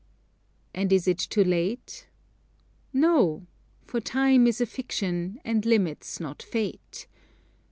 "And is it too late? No! for Time is a fiction, and limits not fate.